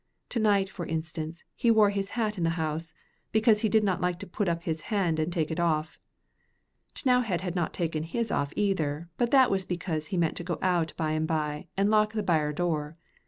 To night, for instance, he wore his hat in the house, because he did not like to put up his hand and take it off. T'nowhead had not taken his off either, but that was because he meant to go out by and by and lock the byre door.